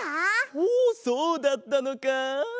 ほうそうだったのか。